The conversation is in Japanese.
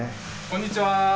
こんにちは。